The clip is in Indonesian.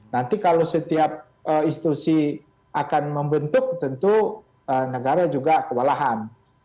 nanti kalau setiap institusi akan membentuk tentu negara juga kewalahan